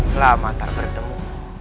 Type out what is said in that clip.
selamat tak bertemu